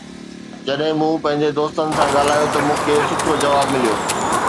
جڏهن مون پنهنجي دوستن سان ڳالهايو ته مون کي سٺو جواب مليو